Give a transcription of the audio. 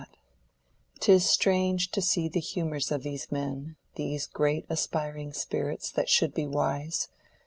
'T is strange to see the humors of these men, These great aspiring spirits, that should be wise